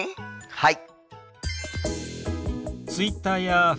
はい。